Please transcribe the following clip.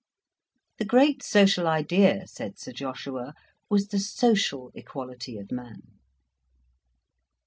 The great social idea, said Sir Joshua, was the social equality of man.